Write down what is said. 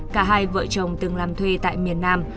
cả hai vợ chồng từng làm thuê tại miền nam